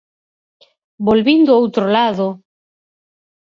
Volvín do outro lado.